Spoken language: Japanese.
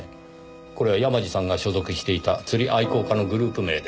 これは山路さんが所属していた釣り愛好家のグループ名です。